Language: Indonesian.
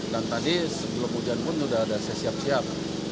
dan tadi sebelum hujan pun sudah ada saya siap siap